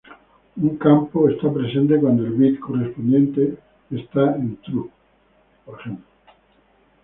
Un campo está presente cuando el bit correspondiente está en true, ej.